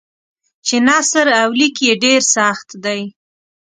چې نثر او لیک یې ډېر سخت دی.